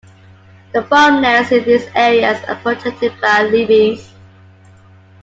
The farmlands in these areas are protected by levees.